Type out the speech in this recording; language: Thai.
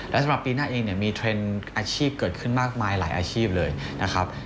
และสำหรับปีหน้าเองเนี่ยมีเทรนด์อาชีพเกิดขึ้นมากมายหลายอาชีพเลยนะครับ